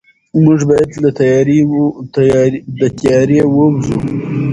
موږ باید له تیارې ووځو.